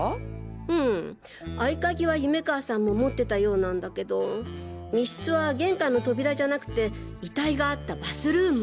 うん合い鍵は夢川さんも持ってたようなんだけど密室は玄関の扉じゃなくて遺体があったバスルーム。